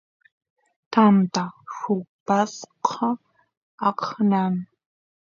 tanta rupasqa aqnan